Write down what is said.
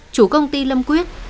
chủ công ty lâm quyết